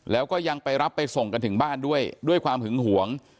แล้วก็ยังไปรับไปส่งกันถึงบ้านด้วยด้วยความหึงหวง